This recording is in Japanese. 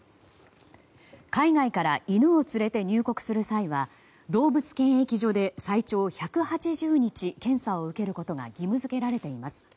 海外から犬を連れて入国する際は動物検疫所で最長１８０日検査を受けることが義務付けられています。